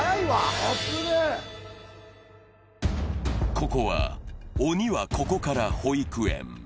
ここは、鬼はここから保育園。